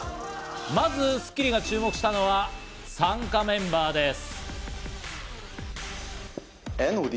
まず『スッキリ』が注目したのが参加メンバーです。